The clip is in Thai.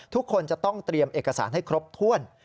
ทุกคนจะต้องเตรียมเอกสารให้ครบถ้วน